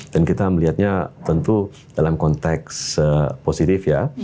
dan kita melihatnya tentu dalam konteks positif ya